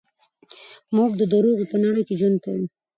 موږ د دروغو په نړۍ کې ژوند کوو.